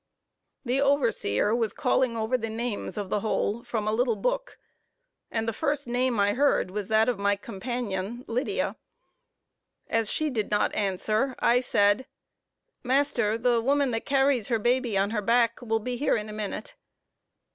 The overseer was calling over the names of the whole from a little book, and the first name I heard was that of my companion Lydia. As she did not answer, I said, "Master, the woman that carries her baby on her back will be here in a minute."